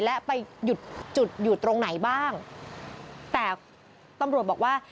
และไปหยุดจุดอยู่ตรงไหนบ้างแต่ตำรวจบอกว่า